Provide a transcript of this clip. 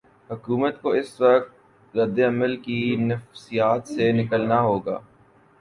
حکومت کو اس وقت رد عمل کی نفسیات سے نکلنا ہو گا۔